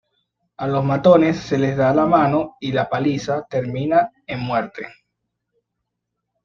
A los matones se les va la mano y la paliza termina en muerte.